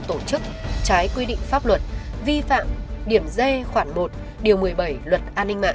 tổ chức trái quy định pháp luật vi phạm điểm d khoản một điều một mươi bảy luật an ninh mạng